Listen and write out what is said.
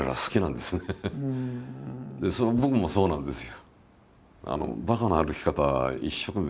で僕もそうなんですよ。